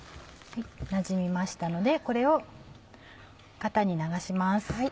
なじみましたのでこれを型に流します。